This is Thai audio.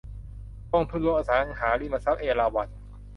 กองทุนรวมอสังหาริมทรัพย์เอราวัณ